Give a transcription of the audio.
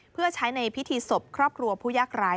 เพื่อใช้ในพิธีศพครอบครัวผู้ยากร้าย